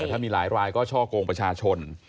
ถ้ามีหลายรายก็ช่อกงประชาชน